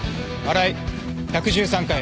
荒井１１３回。